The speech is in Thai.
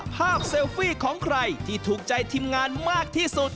เซลฟี่ของใครที่ถูกใจทีมงานมากที่สุด